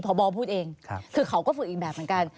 พบพูดเองคือเขาก็ฝึกอีกแบบเหมือนกัน